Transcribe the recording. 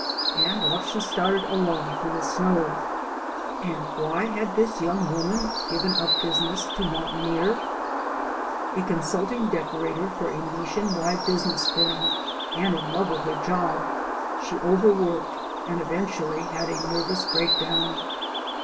And off she started alone through the snow. DEVELOPMENT OF A WOMAN GUIDE 261 And why had this young woman given up business to mountaineer ? A consulting decorator for a nation wide business firm and in love with her job, she overworked and eventually had a nervous breakdown.